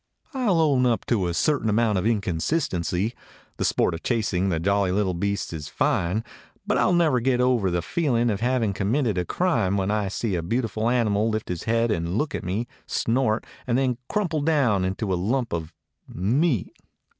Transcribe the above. "I 'll own up to a certain amount of incon sistency. The sport of chasing the jolly little beasts is fine, but I 'll never get over a feeling of having committed a crime when I see a beautiful animal lift his head and look at me, snort, and then crumple down into a lump of — meat."